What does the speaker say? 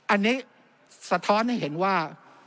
อันนี้สะท้อนให้เห็นว่า